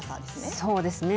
そうですね。